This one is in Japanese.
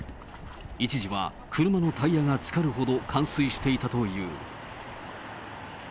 一時は車のタイヤが浸かるほど冠水していたという。